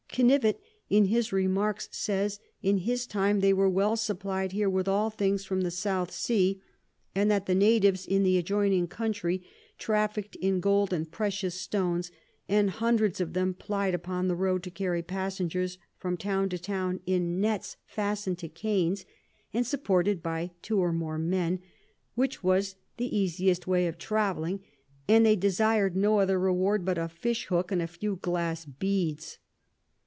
Knivet in his Remarks says, in his time they were well supply'd here with all things from the South Sea, and that the Natives in the adjoining Country traffick'd in Gold and precious Stones; and hundreds of 'em ply'd upon the Road to carry Passengers from Town to Town in Nets fasten'd to Canes, and supported by two or more Men; which was the easiest way of travelling, and they desir'd no other Reward but a Fish Hook and a few Glass Beads.